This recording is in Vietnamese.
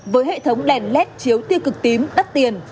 với hệ thống đèn led chiếu tiêu cực tím đắt tiền